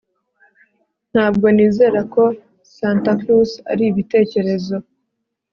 Ntabwo nizera ko Santa Claus ari ibitekerezo